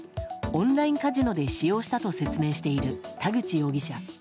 オンラインカジノで使用したと説明する田口容疑者。